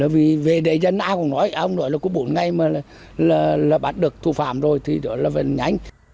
vì về đề dân ai cũng nói ông nói là có bốn ngày mà bắt được thủ phạm rồi thì đó là vẫn nhanh